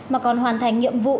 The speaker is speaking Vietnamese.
mà còn hoàn thành nhiệm vụ